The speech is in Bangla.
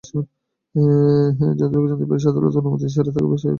যতটুকু জানতে পেরেছি, আদালতের অনুমতি ছাড়াই তারেক সাঈদকে হাসপাতালে রাখা হয়েছে।